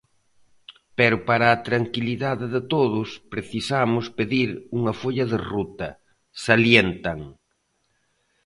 Pero para a tranquilidade de todos, precisamos pedir unha folla de ruta, salientan.